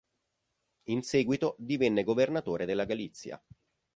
In seguito divenne governatore della Galizia.